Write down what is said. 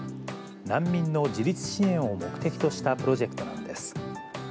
難民の自立支援を目的としたプロジェクトなんです。